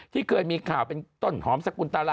ที่เคยมีข่าวเป็นต้นหอมสกุลตารา